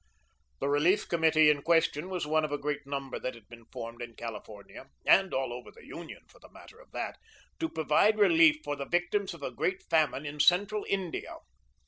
The Relief Committee in question was one of a great number that had been formed in California and all over the Union, for the matter of that to provide relief for the victims of a great famine in Central India.